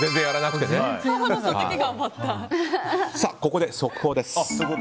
ここで速報です。